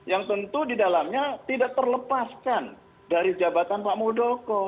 yang tentu di dalamnya tidak terlepaskan dari jabatan pak muldoko